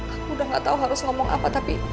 aku udah gak tahu harus ngomong apa tapi